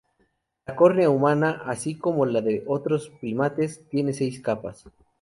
La córnea humana, así como la de otros primates, tiene seis capas.